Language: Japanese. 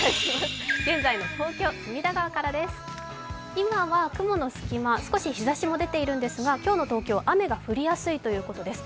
今は雲の隙間、少し日ざしも出ているんですが今日の東京、雨が降りやすいということです。